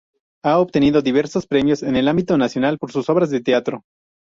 Ha obtenido diversos premios en el ámbito nacional, por sus obras de teatro.